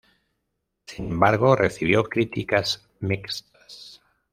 Sin embargo, recibió críticas mixtas.